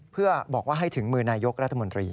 เพื่อบอกว่าให้ถึงมือนายกรัฐมนตรี